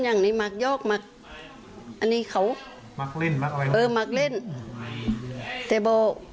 รับไม่ได้เหรอครับ